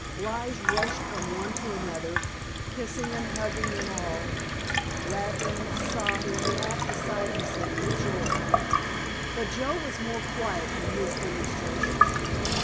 Lige rushed from one to another, kissing and hugging them all, laughing, sobbing, half beside himself with joy. But Joe was more quiet in his demonstrations.